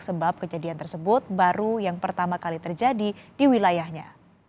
sebab kejadian tersebut baru yang pertama kali terjadi di wilayahnya